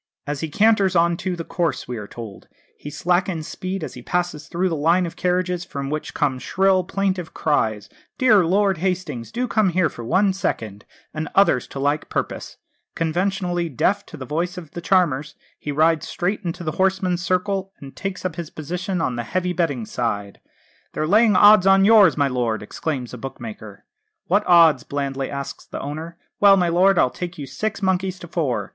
"As he canters on to the course," we are told, "he slackens speed as he passes through the line of carriages, from which come shrill, plaintive cries, 'Dear Lord Hastings, do come here for one second,' and others to like purpose. Conveniently deaf to the voice of the charmers, he rides straight into the horseman's circle, and takes up his position on the heavy betting side. 'They're laying odds on yours, my lord,' exclaims a bookmaker. 'What odds?' blandly asks the owner. 'Well, my lord, I'll take you six monkeys to four!'